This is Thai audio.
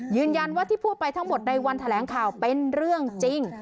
ยืนยันว่าที่พูดไปทั้งหมดในวันแถลงข่าวเป็นเรื่องจริง